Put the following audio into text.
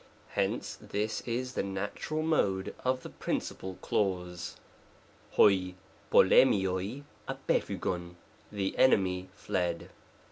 Hence, this is the natural Mode of the principal clause ; oi noXsfiioi d Jikcpvyovy " the enemy fled."